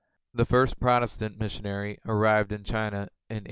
The first Protest ant missionary arrived in China in 1807.